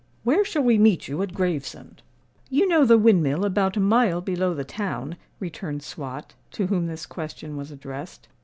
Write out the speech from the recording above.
Where shall we meet you at Gravesend?" "You know the windmill about a mile below the town," returned Swot, to whom this question was addressed.